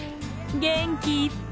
元気いっぱい